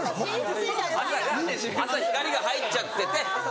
朝光が入っちゃってて。